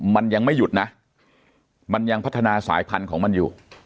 มันยังไม่หยุดนะมันยังพัฒนาสายพันธุ์ของมันอยู่